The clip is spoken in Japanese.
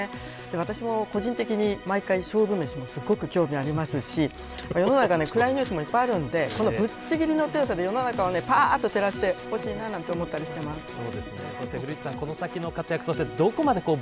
私も、個人的に毎回、勝負飯もすごく興味がありますし世の中、暗いニュースもいっぱいあるのでぶっちぎりの強さで世の中をぱっとそして古市さん、この先の活躍